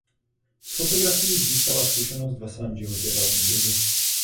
S fotografií získala zkušenost ve svém životě velmi brzy.